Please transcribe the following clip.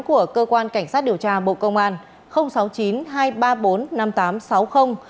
của cơ quan cảnh sát điều tra bộ công an